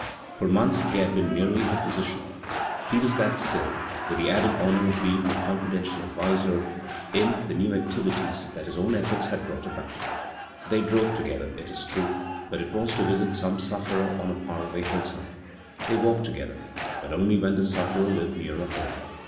For months he had been merely her physician ; he was that still, with the added honor of being confidential adviser in the new 162 b, Google CROSS CURRENTS activities that his own efforts had brought about They drove together, it is true — ^but it was to visit some sufferer on a far away hillside. They walked together — but only when the sufferer lived nearer home.